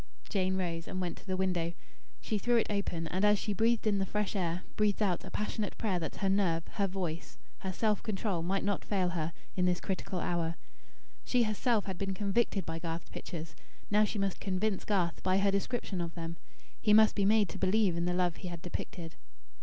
Jane rose, and went to the window. She threw it open; and as she breathed in the fresh air, breathed out a passionate prayer that her nerve, her voice, her self control might not fail her, in this critical hour. She herself had been convicted by Garth's pictures. Now she must convince Garth, by her description of them. He must be made to believe in the love he had depicted.